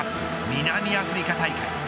南アフリカ大会。